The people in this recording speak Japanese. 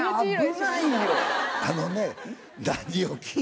あのね。